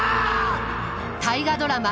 大河ドラマ